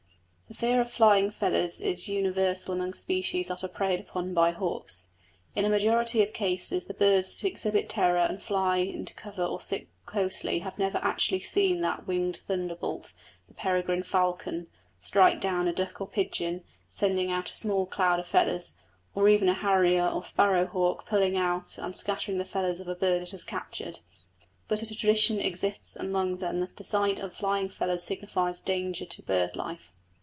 The fear of flying feathers is universal among species that are preyed upon by hawks. In a majority of cases the birds that exhibit terror and fly into cover or sit closely have never actually seen that winged thunderbolt, the peregrine falcon, strike down a duck or pigeon, sending out a small cloud of feathers; or even a harrier or sparrow hawk pulling out and scattering the feathers of a bird it has captured, but a tradition exists among them that the sight of flying feathers signifies danger to bird life.